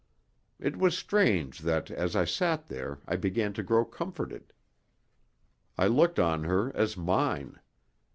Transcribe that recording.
It was strange that as I sat there I began to grow comforted. I looked on her as mine.